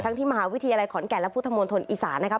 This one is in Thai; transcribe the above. ที่มหาวิทยาลัยขอนแก่นและพุทธมณฑลอีสานนะครับ